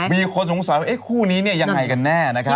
มีคนสงสัยว่าคู่นี้เนี่ยยังไงกันแน่นะครับ